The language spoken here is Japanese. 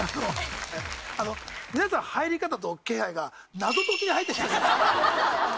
あの皆さん入り方と気配が謎解きに入ってきた。